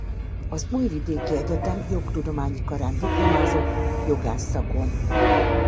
Az Újvidéki Egyetem Jogtudományi Karán diplomázott jogász szakon.